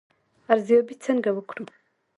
ارزیابي څنګه وکړو؟